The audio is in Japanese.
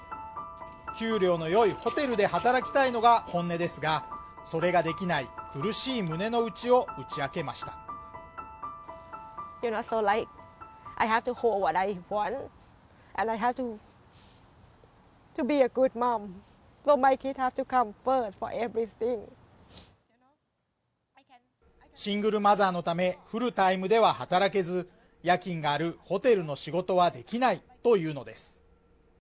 給料の良いホテルで働きたいのが本音ですがそれができない苦しい胸の内を打ち明けましたシングルマザーのためフルタイムでは働けず夜勤があるホテルの仕事はできないというのです